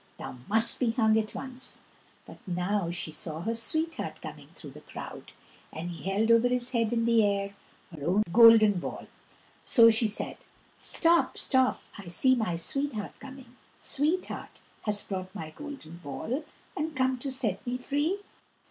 Thou must be hung at once." But now she saw her sweetheart coming through the crowd, and he held over his head in the air her own golden ball; so she said: "Stop, stop, I see my sweetheart coming! Sweetheart, hast brought my golden ball And come to set me free?"